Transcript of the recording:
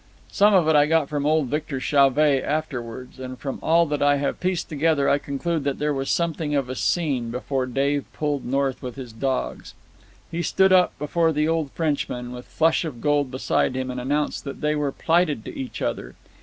Some of it I got from old Victor Chauvet afterwards, and from all that I have pieced together I conclude that there was something of a scene before Dave pulled north with his dogs. He stood up before the old Frenchman, with Flush of Gold beside him, and announced that they were plighted to each other.